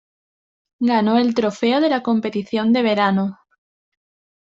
Ganó el trofeo de la competición de verano.